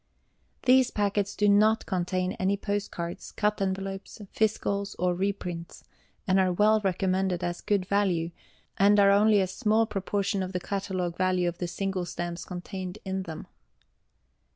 These packets do NOT contain any Post Cards, cut Envelopes, Fiscals, or Reprints, and are well recommended as good value, and are only a small proportion of the Catalogue value of the single stamps contained in them.